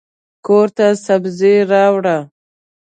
کورته سبزي راوړه.